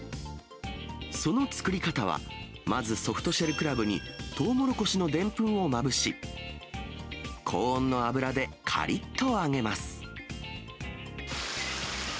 その作り方は、まずソフトシェルクラブにトウモロコシのでんぷんをまぶし、高温の油でかりっと揚げます。